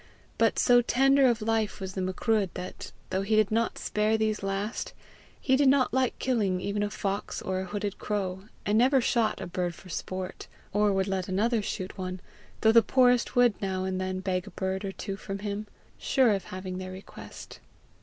But so tender of life was the Macruadh that, though he did not spare these last, he did not like killing even a fox or a hooded crow, and never shot a bird for sport, or would let another shoot one, though the poorest would now and then beg a bird or two from him, sure of having their request.